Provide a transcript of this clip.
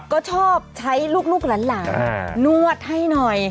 ก็ชอบใช้ลูกหลานนวดให้หน่อย